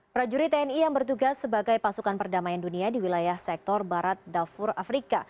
prajurit tni yang bertugas sebagai pasukan perdamaian dunia di wilayah sektor barat dafur afrika